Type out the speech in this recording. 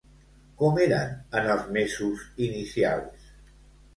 Com eren en els mesos inicials?